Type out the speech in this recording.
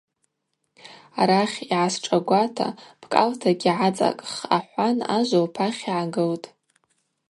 Арахь йгӏасшӏагвата бкӏалтагьи гӏацӏакӏх, – ахӏван ажв лпахь йгӏагылтӏ.